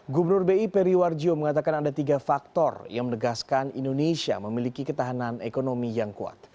gubernur bi periwarjo mengatakan ada tiga faktor yang menegaskan indonesia memiliki ketahanan ekonomi yang kuat